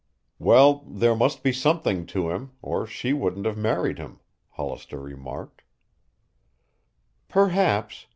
"Well, there must be something to him, or she wouldn't have married him," Hollister remarked. "Perhaps.